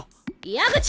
矢口！